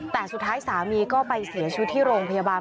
แต่สุดท้ายสามีก็ไปเสียชีวิตที่โรงพยาบาล